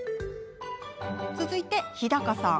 続いて、日高さん。